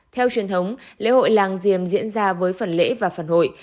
theo truyền thống lễ hội làng diềm diễn ra với phần lễ và phần hội